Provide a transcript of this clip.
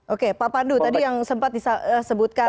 oke papa andu tadi yang sempat disebutkan